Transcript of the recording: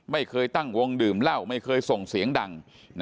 ไม่เคยตั้งวงดื่มเหล้าไม่เคยส่งเสียงดัง